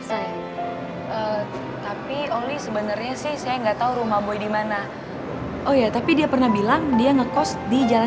saya sebenarnya mau ngelambatkan